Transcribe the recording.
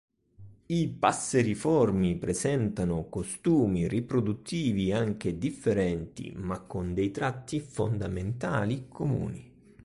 I passeriformi presentano costumi riproduttivi anche differenti, ma con dei tratti fondamentali comuni.